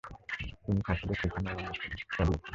তিনি ছাত্রদের শেখানো এবং বক্তৃতা দিয়েছেন।